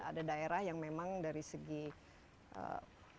ada daerah yang memang dari segi ke